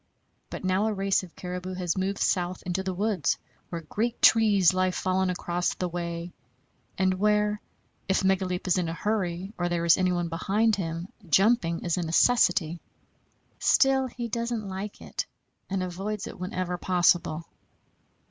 But now a race of caribou has moved south into the woods, where great trees lie fallen across the way, and where, if Megaleep is in a hurry or there is anybody behind him, jumping is a necessity. Still he doesn't like it, and avoids it whenever possible.